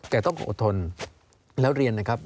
แต่ต้องอดทนแล้วเรียนนะครับ